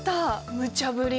むちゃぶり！